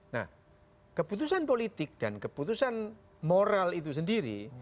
nah keputusan politik dan keputusan moral itu sendiri